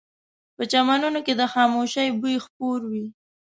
په چمنونو کې د خاموشۍ بوی خپور وي